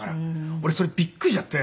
俺それびっくりしちゃって。